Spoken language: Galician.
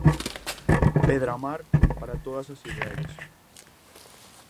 Pedramar para todas as idades.